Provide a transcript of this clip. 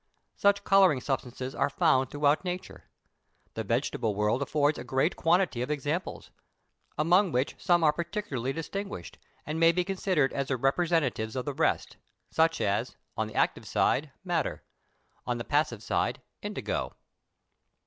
Such colouring substances are found throughout nature; the vegetable world affords a great quantity of examples, among which some are particularly distinguished, and may be considered as the representatives of the rest; such as, on the active side, madder, on the passive side, indigo.